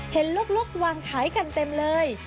ลูกวางขายกันเต็มเลย